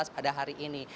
pada hari ini